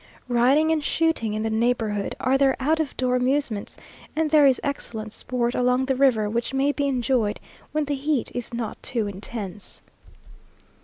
Riding and shooting in the neighbourhood are their out of door amusements, and there is excellent sport along the river, which may be enjoyed when the heat is not too intense.